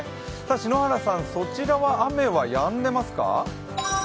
篠原さん、そちらは雨はやんでますか？